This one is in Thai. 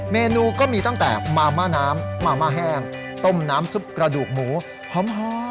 เมนูก็มีตั้งแต่มาม่าน้ำมาม่าแห้งต้มน้ำซุปกระดูกหมูหอม